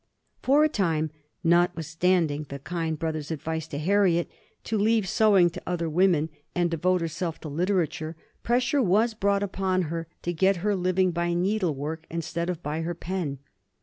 For a time, notwithstanding the kind brother's advice to Harriet, to leave sewing to other women and devote herself to literature, pressure was brought upon her to get her living by needlework instead of by her pen.